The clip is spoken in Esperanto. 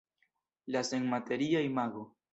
La senmateria imago.